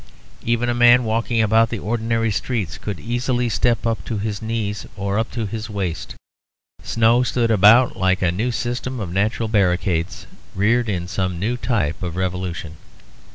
Even a man walking about the ordinary streets could easily step up to his knees or up to his waist. Snow stood about like a new system of natural barricades reared in some new type of revolution.